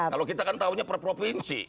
kalau kita kan tahunya perprovinsi